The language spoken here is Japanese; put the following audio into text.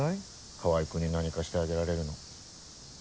川合君に何かしてあげられるの。